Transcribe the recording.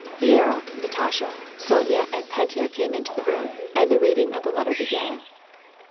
Viera, Natasha, Sonya, and Petya came into the room, and the reading of the letter began.